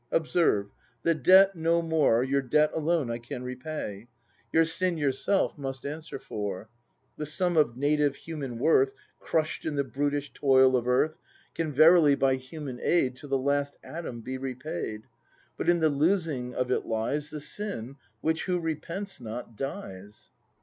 Observe. The debt: no more Your debt alone I can repay; Your sin yourself must answer for. The sum of native human worth Crush'd in the brutish toil of earth ACT II] BRAND 93 Can verily by human aid To the last atom be repaid; But in the losing of it lies The sin, which who repents not — dies!